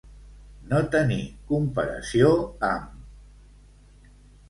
No tenir comparació amb.